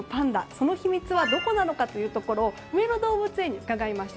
その秘密はどこなのかというのを上野動物園に伺いました。